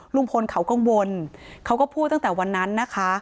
ลุงพลเขากังวลเขาก็พูดตั้งแต่วันนั้นนะคะ